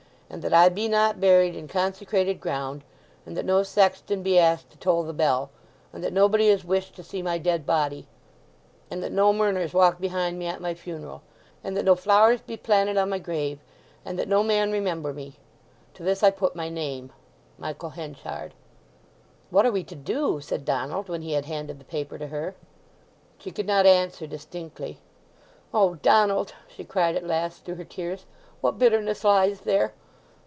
"& that I be not bury'd in consecrated ground. "& that no sexton be asked to toll the bell. "& that nobody is wished to see my dead body. "& that no murners walk behind me at my funeral. "& that no flours be planted on my grave. "& that no man remember me. "To this I put my name. "MICHAEL HENCHARD." "What are we to do?" said Donald, when he had handed the paper to her. She could not answer distinctly. "O Donald!" she cried at last through her tears, "what bitterness lies there!